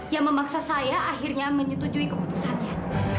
yang memaksa saya akhirnya menyetujui keputusannya